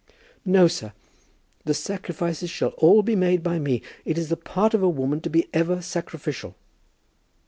"No, sir; the sacrifices shall all be made by me. It is the part of a woman to be ever sacrificial!"